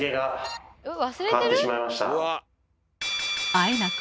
あえなく